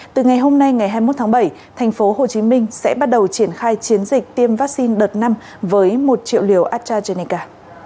từ ngày hôm nay ngày hai mươi một tháng bảy tp hcm sẽ bắt đầu triển khai chiến dịch tiêm vaccine đợt năm với một triệu liều astrazeneca